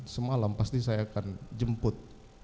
semalam pasti saya akan jemput